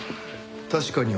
確かに。